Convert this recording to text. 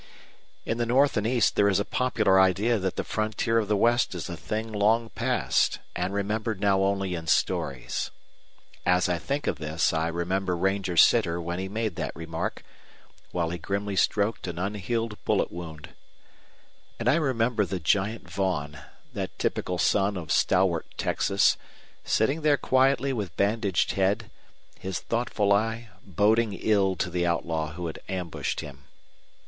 In the North and East there is a popular idea that the frontier of the West is a thing long past, and remembered now only in stories. As I think of this I remember Ranger Sitter when he made that remark, while he grimly stroked an unhealed bullet wound. And I remember the giant Vaughn, that typical son of stalwart Texas, sitting there quietly with bandaged head, his thoughtful eye boding ill to the outlaw who had ambushed him.